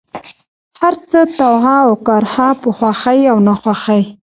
هرڅه، طوعا اوكرها ، په خوښۍ او ناخوښۍ،